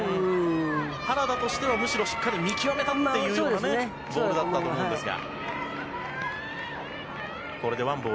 原田としてはしっかり見極めたというボールだったと思うんですが。